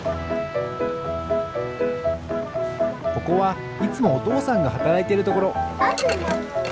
ここはいつもおとうさんがはたらいているところ。